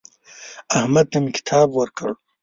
احمد ته مې کتاب ورکړ.